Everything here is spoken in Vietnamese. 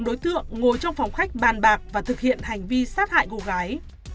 đối tượng ngồi trong phòng khách bàn bạc và thực hiện hành vi sát hại cô gái